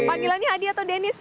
panggilannya hadi atau dennis